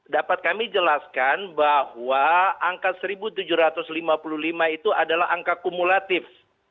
dapat kami jelaskan bahwa angka satu tujuh ratus lima puluh lima itu adalah angka kumulatif